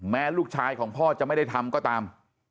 ลูกชายของพ่อจะไม่ได้ทำก็ตาม